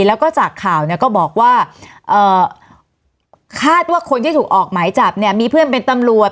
แล้วก็จากข่าวเนี่ยก็บอกว่าคาดว่าคนที่ถูกออกหมายจับเนี่ยมีเพื่อนเป็นตำรวจ